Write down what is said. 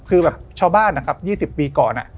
คือแบบชาวบ้านนะครับ๒๐ปีก่อน